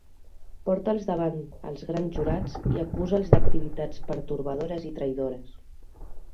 Porta'ls davant els grans jurats i acusa'ls d'activitats pertorbadores i traïdores.